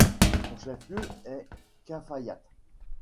Son chef-lieu est Cafayate.